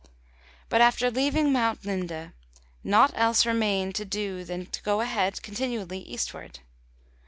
But after leaving Mount Linde, naught else remained to do than to go ahead continually eastward.